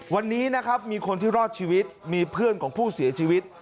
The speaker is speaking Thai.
วันนี้นะครับมีคนที่รอดชีวิตมีเพื่อนของผู้เสียชีวิต